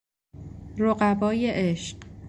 رقبای عشق